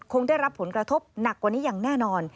ได้รับผลกระทบหนักกว่านี้อย่างแน่นอน